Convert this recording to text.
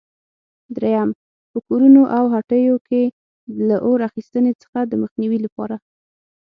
درېیم: په کورونو او هټیو کې له اور اخیستنې څخه د مخنیوي لپاره؟